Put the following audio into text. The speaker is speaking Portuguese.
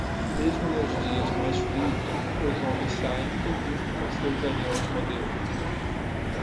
Mesmo nos dias mais frios, os homens saem e brincam com seus aviões modelo.